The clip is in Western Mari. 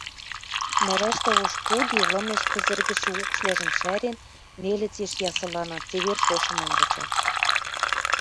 Нӓрӓштӓ ош куги, лымеш пӹзӹргӹшӹ укшвлӓжӹм шӓрен, нелӹцеш ясылана, цевер шошымым выча.